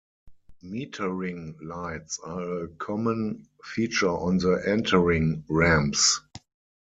Metering lights are a common feature on the entering ramps.